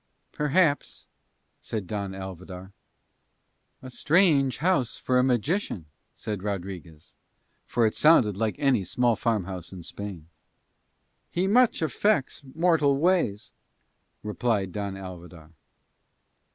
"Perhaps," said Don Alvidar. "A strange house for a magician," said Rodriguez, for it sounded like any small farmhouse in Spain. "He much affects mortal ways," replied Don Alvidar.